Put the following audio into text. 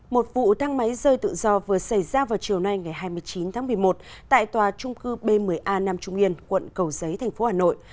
một vụ thăng máy rơi tự do vừa xảy ra vào chiều nay ngày hai mươi chín tháng một mươi một tại tòa trung cư b một mươi a nam trung yên quận cầu giấy thành phố hà nội